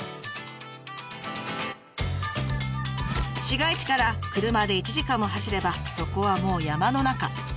市街地から車で１時間も走ればそこはもう山の中。